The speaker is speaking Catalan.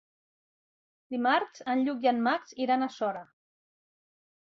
Dimarts en Lluc i en Max iran a Sora.